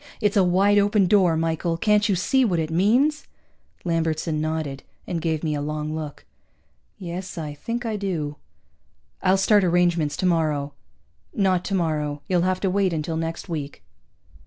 It's a wide open door, Michael! Can't you see what it means?" Lambertson nodded, and gave me a long look. "Yes, I think I do." "I'll start arrangements tomorrow." "Not tomorrow. You'll have to wait until next week."